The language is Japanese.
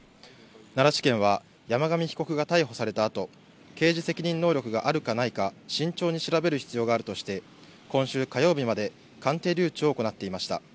奈良地検は山上被告が逮捕されたあと、刑事責任能力があるかないか、慎重に調べる必要があるとして、今週火曜日まで、鑑定留置を行っていました。